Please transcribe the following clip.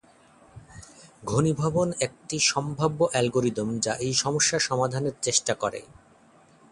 ঘনীভবন একটি সম্ভাব্য অ্যালগরিদম যা এই সমস্যা সমাধানের চেষ্টা করে।